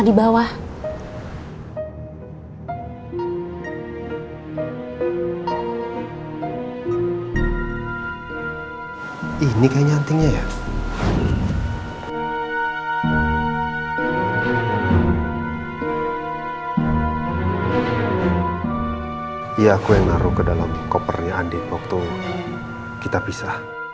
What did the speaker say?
dan jangan lupa subscribe ya